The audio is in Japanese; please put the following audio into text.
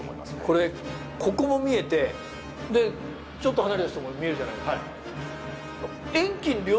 これここも見えてちょっと離れた人も見えるじゃないですか。